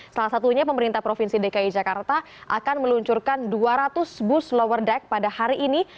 salah satunya pemerintah provinsi dki jakarta akan meluncurkan dua ratus bus lower deck pada hari ini